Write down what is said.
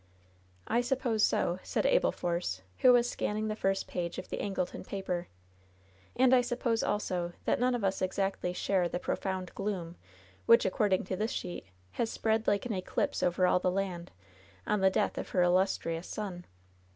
"I suppose so," said Abel Force, who was scanning the first page of the Angleton paper. "And I suppose, also, that none of us exactly share *the profound gloom' which, according to this sheet, lias spread like an eclipse over all the land, on the death of her illustrious son.'